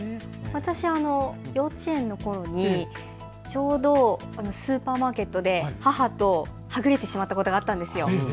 私、幼稚園のころに、ちょうどスーパーマーケットで母とはぐれてしまったことがあったんですよ。